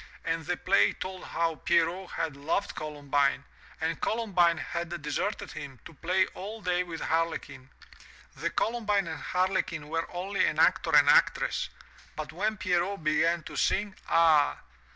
And the play told how Pierrot had loved Columbine, and Columbine had deserted him, to play all day with Harlequin. The Columbine and Harlequin were only an actor and actress, but when Pierrot began to sing — ah!